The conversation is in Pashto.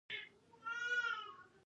سېرېنا له خوشحالۍ نه چکچکې وکړې.